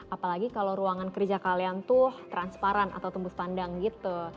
apalagi kalau ruangan kerja kalian tuh transparan atau tembus pandang gitu